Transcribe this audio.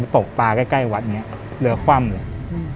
ตกปลาใกล้วัดนี้เรือคว่ำเลย